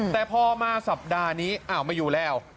แต่พอมาสัปดาห์นี้อ้าวไม่อยู่แล้ว